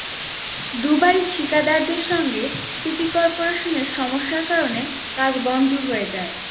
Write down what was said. দুবারই ঠিকাদারদের সঙ্গে সিটি করপোরেশনের সমস্যার কারণে কাজ বন্ধ হয়ে যায়।